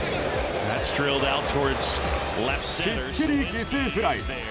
きっちり犠牲フライ。